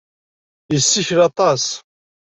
Yessikel aṭas.